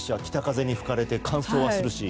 北風に吹かれて。